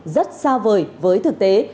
rất xa vời với thực tế